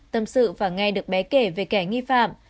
tâm sự và nghe được bé kể về kẻ nghi phạm